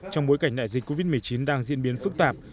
trong bối cảnh đại dịch covid một mươi chín đang diễn biến phức tạp